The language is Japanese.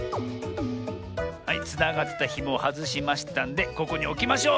はいつながったひもをはずしましたんでここにおきましょう！